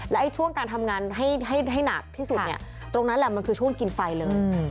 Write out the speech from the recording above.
และช่วงการทำงานให้หนักที่สุดเนี่ยตรงนั้นแหละมันคือช่วงกินไฟเลย